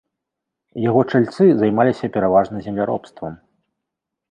Яго чальцы займаліся пераважна земляробствам.